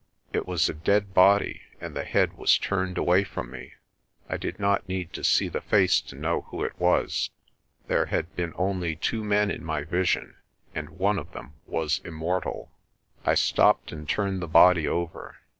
It was a dead body and the head was turned away from me. I did not need to see the face to know who it was. There had been only two men in my vision and one of them was immortal. I stopped and turned the body over.